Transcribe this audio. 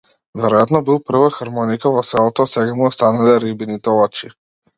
Веројатно бил прва хармоника во селото, а сега му останале рибините очи.